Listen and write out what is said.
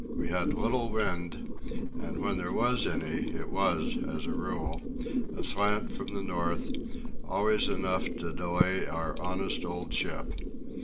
We had little wind, and when there was any, it was, as a rule, a slant from the north, always enough to delay our honest old ship.